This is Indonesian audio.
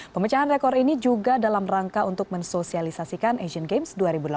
pemecahan rekor ini juga dalam rangka untuk mensosialisasikan asian games dua ribu delapan belas